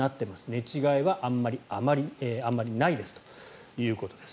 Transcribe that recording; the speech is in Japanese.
寝違えはあまりないですということです。